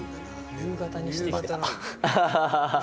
夕方にしてきた。